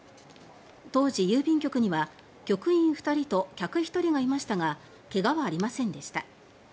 当時、郵便局には局員２人と客１人がいましたがけがはありませんでした。